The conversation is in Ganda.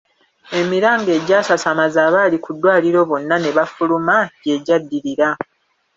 Emiranga egyasasamaza abaali ku ddwaliro bonna ne bafuluma gye gyaddirira.